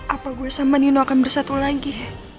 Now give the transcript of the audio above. apa gue sama nino akan bersatu lagi